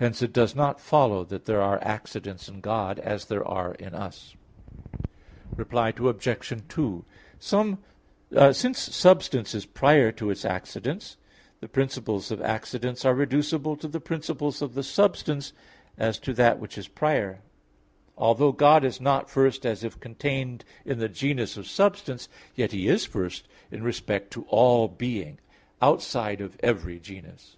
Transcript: Hence it does not follow that there are accidents in God as there are in us. Reply Obj. 2: Since substance is prior to its accidents, the principles of accidents are reducible to the principles of the substance as to that which is prior; although God is not first as if contained in the genus of substance; yet He is first in respect to all being, outside of every genus.